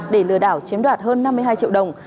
để lừa đảo chiếm đoạt hơn năm mươi hai triệu đồng